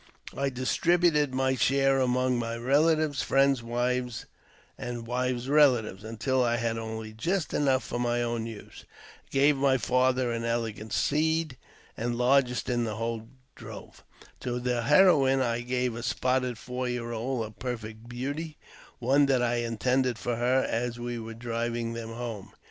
I distributed my share among my relatives, friends, wives, and wives' relatives, until I had only just enough for my own use. I gave my. father an elegant steed, the largest in the whole drove. To the heroine I gave a spotted four year old, a perfect beauty, one that I had intended for her as we were driving them home.